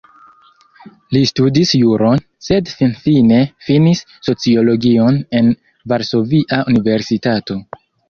Li studis juron, sed finfine finis sociologion en Varsovia Universitato.